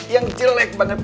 yang jelek banget